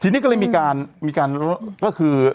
ทีนี้ก็เลยมีการก็คือ